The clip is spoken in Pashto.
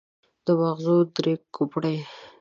د ماغزو درې کوپړۍ.